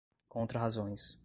contrarrazões